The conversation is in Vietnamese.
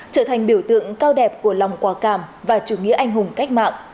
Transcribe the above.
trở thành biểu tượng cao đẹp của lòng quả cảm và chủ nghĩa anh hùng cách mạng